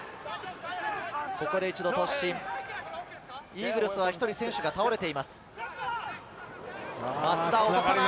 ここで一度突進、イーグルスは１人選手が倒れています。